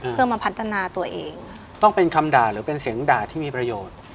เพื่อมาพัฒนาตัวเองต้องเป็นคำด่าหรือเป็นเสียงด่าที่มีประโยชน์